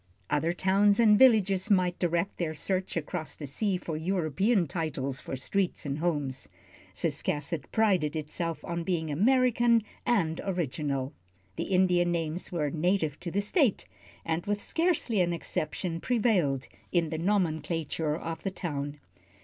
Other towns and villages might direct their search across the sea for European titles for streets and homes. Ciscasset prided itself on being American and original. The Indian names were native to the State, and with scarcely an exception prevailed in the nomenclature of the town.